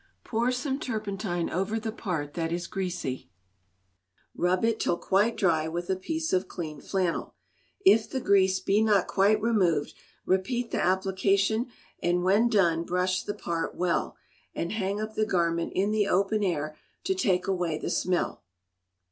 Pour some turpentine over the part that is greasy; rub it till quite dry with a piece of clean flannel; if the grease be not quite removed, repeat the application, and when done, brush the part well, and hang up the garment in the open air to take away the smell.